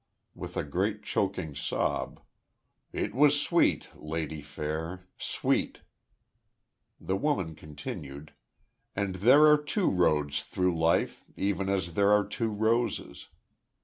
With a great choking sob: "It was sweet, Lady Fair! Sweet!" The Woman continued: "And there are two roads through life even as there are two roses.